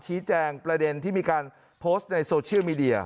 ประเด็นที่มีการโพสต์ในโซเชียลมีเดีย